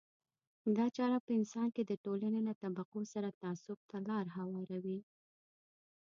دا چاره په انسان کې د ټولنې له طبقو سره تعصب ته لار هواروي.